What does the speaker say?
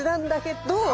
ど？